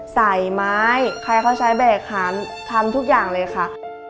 ใส่ไม้ใครเขาใช้แบกหามทำทุกอย่างเลยค่ะ